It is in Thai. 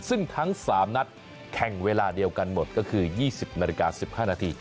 ซึ่งทั้ง๓นัดแข่งเวลาเดียวกันหมดก็คือ๒๐นาฬิกา๑๕นาที